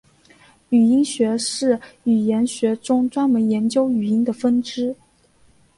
语音学是语言学中专门研究语音的分支。